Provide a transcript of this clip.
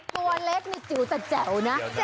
ตัวเล็กนี่จิ๋วแต่แจ๋วนะ